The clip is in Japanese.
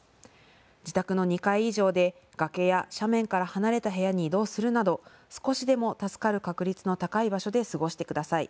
自宅の２階以上で崖や斜面から離れた部屋に移動するなど少しでも助かる確率の高い場所で過ごしてください。